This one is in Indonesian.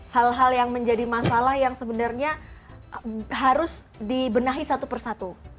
hal hal yang menjadi masalah yang sebenarnya harus dibenahi satu persatu